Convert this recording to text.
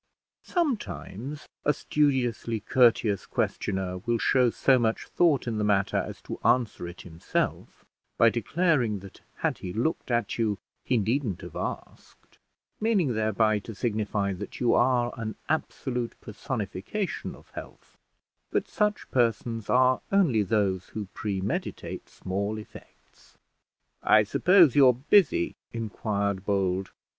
Sometimes a studiously courteous questioner will show so much thought in the matter as to answer it himself, by declaring that had he looked at you he needn't have asked; meaning thereby to signify that you are an absolute personification of health: but such persons are only those who premeditate small effects. "I suppose you're busy?" inquired Bold.